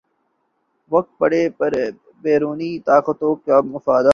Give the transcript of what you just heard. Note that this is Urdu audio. وقت پڑنے پر بیرونی طاقتوں کے مفادات